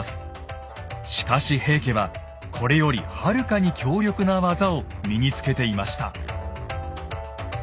しかし平家はこれよりはるかに強力な技を身につけていました。